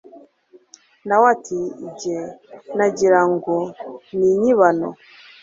Na we ati jye nagira ngo ni inyibano!